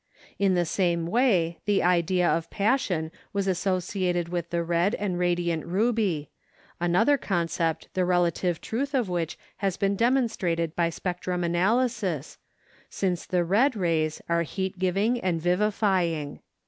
In the same way the idea of passion was associated with the red and radiant ruby, another concept the relative truth of which has been demonstrated by spectrum analysis, since the red rays are heat giving and vivifying.